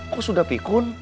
kok sudah pikun